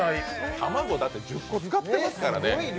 卵、だって１０個使ってますからね。